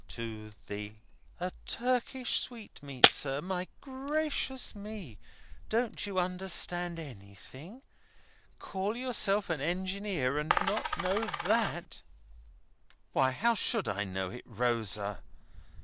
"To the—?" "A Turkish sweetmeat, sir. My gracious me, don't you understand anything? Call yourself an Engineer, and not know that?" "Why, how should I know it, Rosa?"